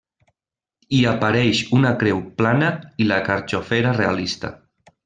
Hi apareix una creu plana i la carxofera realista.